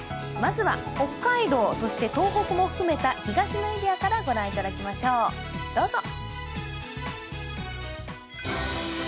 まずは北海道、東北も含めた東のエリアから御覧いただきましょう。